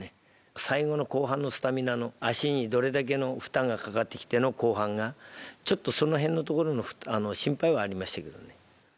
最後の後半のスタミナの足にどれだけの負担がかかってきての後半が、ちょっとそのへんのところの心配はありましたけどね。